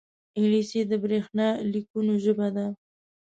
انګلیسي د برېښنا لیکونو ژبه ده